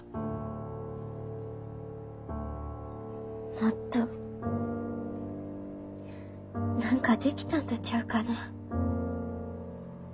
もっと何かできたんとちゃうかなぁ。